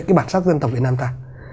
cái bản sắc dân tộc việt nam ta